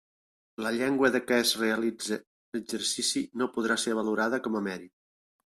La llengua de què es realitze l'exercici no podrà ser valorada com a mèrit.